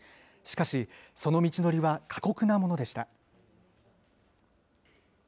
しかし、その道のりは過酷なものでした。